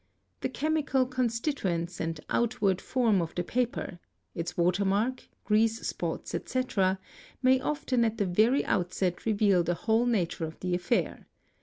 The chemical" constituents and — outward form of the paper, its water mark "55 158 orease spots, etc., : may often at the very outset reveal the whole nature of the affair.